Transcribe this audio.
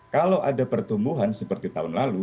kalau ada pertumbuhan seperti tahun lalu